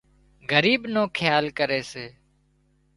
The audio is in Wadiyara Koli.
ڳريب نو کيال ڪري سي